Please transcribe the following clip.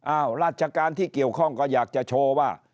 ราชการที่เกี่ยวข้องก็อยากจะโชว์ว่า